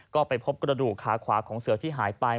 ก็ไปพบกระดูกขาขวาของเสือที่หายไป